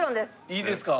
いいですか？